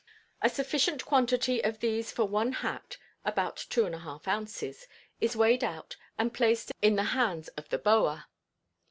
A sufficient quantity of these for one hat (about two and a half ounces) is weighed out and placed in the hands of the "bower."